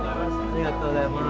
ありがとうございます。